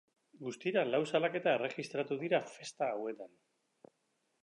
Guztira lau salaketa erregistratu dira festa hauetan.